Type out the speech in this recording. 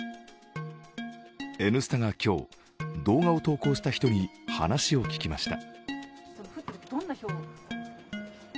「Ｎスタ」が今日、動画を投稿した人に話を聞きました。